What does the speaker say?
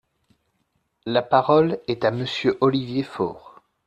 La parole est à Monsieur Olivier Faure.